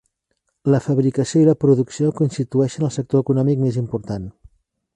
La fabricació i la producció constitueixen el sector econòmic més important.